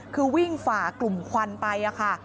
คือวิ่งฝ่ากลุ่มควันไปค่ะ